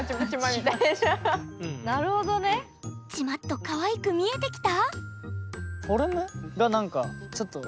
ちまっとかわいく見えてきた？